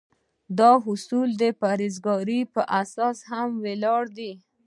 دا اصول د پرهیزګارۍ په اساس هم ولاړ دي.